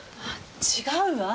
違うわ！